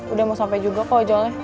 udah mau sampe juga kok ojolnya